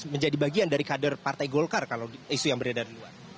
menjadi bagian dari kader partai golkar kalau isu yang beredar di luar